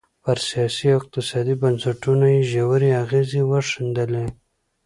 پر سیاسي او اقتصادي بنسټونو یې ژورې اغېزې وښندلې.